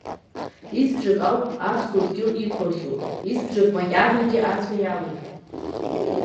Избжак ауп, аԥсуа дгьыл иқәлахьоу, избжак макьанагьы ацәа иалоуп.